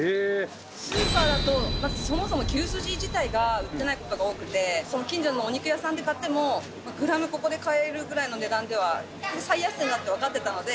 スーパーだとそもそも、牛すじ自体が売ってない事が多くて近所のお肉屋さんで買ってもグラム、ここで買えるぐらいの値段では最安値だって、わかってたので。